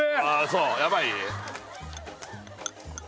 そうやばい？